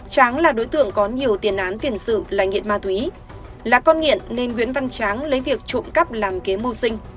trang là đối tượng có nhiều tiền án tiền sự là nghiện ma túy là con nghiện nên nguyễn văn trang lấy việc trộm cắp làm kế mô sinh